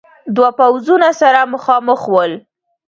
دو پوځونه سره مخامخ ول.